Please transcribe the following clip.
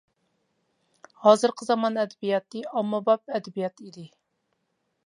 ھازىرقى زامان ئەدەبىياتى ئاممىباب ئەدەبىيات ئىدى.